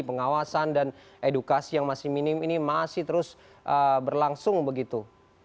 pengawasan dan edukasi yang masih minim ini masih terus berlangsung begitu